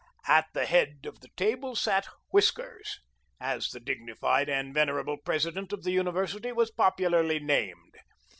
At the head of the table sat Whiskers, as the dignified and venerable president of the university was popularly named.